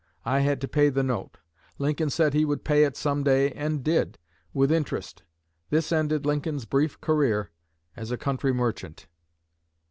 I had to pay the note. Lincoln said he would pay it some day and did, with interest." This ended Lincoln's brief career as a country merchant.